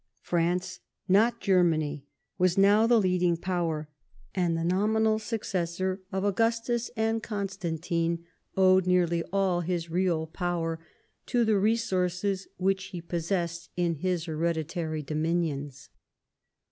France, not Germany, was now the leading power, and the nominal successor of Augustus and Constantino owed nearly all his real power to the resources which he possessed in his hereditary dominions.